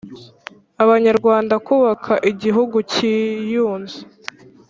Abanyarwanda kubaka igihugu cyiyunze